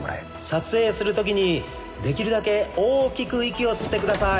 撮影するときにできるだけ大きく息を吸ってください。